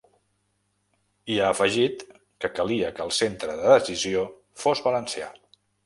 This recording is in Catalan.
I ha afegit que calia que el centre de decisió fos valencià.